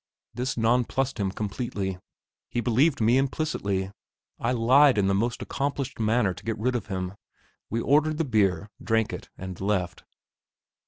This nonplussed him completely. He believed me implicitly. I lied in the most accomplished manner to get rid of him. We ordered the beer, drank it, and left.